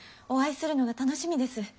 お会いするのが楽しみです。